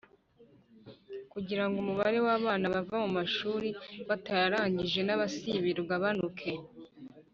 kugirango umubare w'abana bava mu mashuri batayarangije n'abasibira ugabanuke